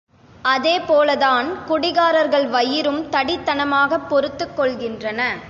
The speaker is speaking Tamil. அதேபோல தான், குடிகாரர்கள் வயிறும் தடித்தனமாகப் பெருத்துக் கொள்கின்றன.